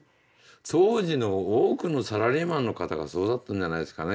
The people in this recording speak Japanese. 当時の多くのサラリーマンの方がそうだったんじゃないですかね。